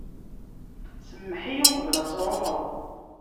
Semmeḥ-iyi uqbel ad truḥeḍ.